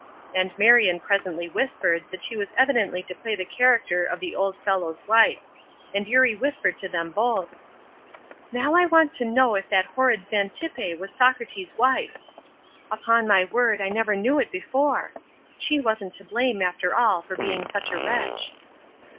And Marion presently whispered that she was evidently to play the character of the old fellow's wife, and Eurie whispered to them both: "Now I want to know if that horrid Zantippe was Socrates' wife! Upon my word I never knew it before. She wasn't to blame, after all, for being such a wretch."